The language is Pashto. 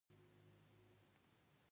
زه د مساواتو پلوی یم.